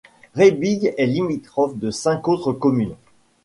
Rebigue est limitrophe de cinq autres communes.